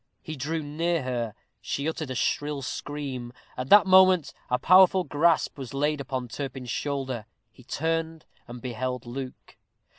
He drew near her; she uttered a shrill scream. At that moment a powerful grasp was laid upon Turpin's shoulder; he turned and beheld Luke.